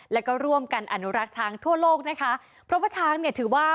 แล้วก็ร่วมกันอนุรักษ์ช้างทั่วโลกนะคะเพราะว่าช้างเนี่ยถือว่า